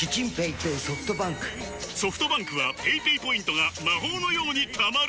ソフトバンクはペイペイポイントが魔法のように貯まる！